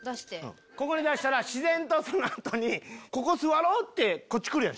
ここに出したら自然とその後「ここ座ろう」ってこっち来るやん